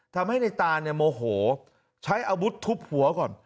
ทำให้ในตานเนี่ยโมโหใช้อาวุธทุบหัวก่อน